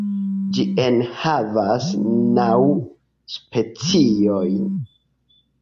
Ĝi enhavas naŭ speciojn.